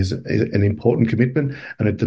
adalah komitmen yang penting